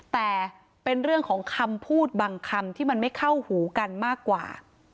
แต่เป็นเรื่องของคำพูดบางคำที่มันไม่เข้าหูกันมากกว่า